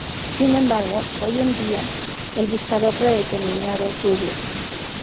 Sin embargo, hoy en día, el buscador predeterminado es Google.